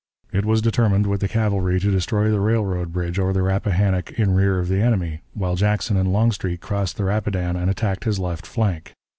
It was determined, with the cavalry, to destroy the railroad bridge over the Rappahannock in rear of the enemy, while Jackson and Longstreet crossed the Rapidan and attacked his left flank.